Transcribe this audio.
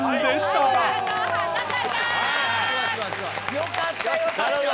よかったよ